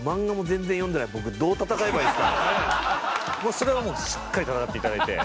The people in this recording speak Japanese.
それはもうしっかり戦って頂いて。